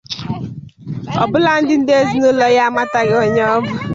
Ọ bụladị ndị ezinaụlọ ya amataghị onye ọ bụ.